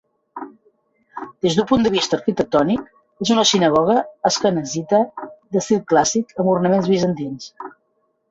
Des d'un punt de vista arquitectònic, és una sinagoga asquenazita d'estil clàssic, amb ornaments bizantins.